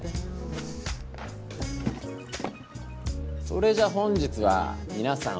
それじゃ本日はみなさん